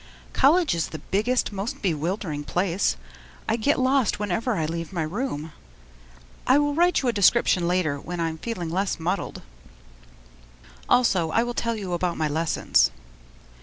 College is the biggest, most bewildering place I get lost whenever I leave my room. I will write you a description later when I'm feeling less muddled; also I will tell you about my lessons.